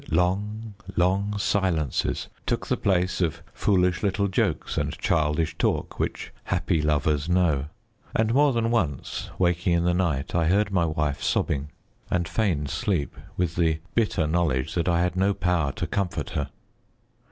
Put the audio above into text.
Long, long silences took the place of foolish little jokes and childish talk which happy lovers know. And more than once, waking in the night, I heard my wife sobbing, and feigned sleep, with the bitter knowledge that I had no power to comfort her.